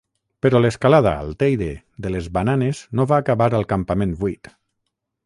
Però l'escalada al Teide de les bananes no va acabar al campament vuit.